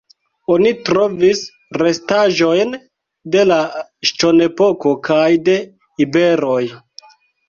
Oni trovis restaĵojn de la Ŝtonepoko kaj de iberoj.